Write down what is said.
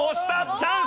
チャンス！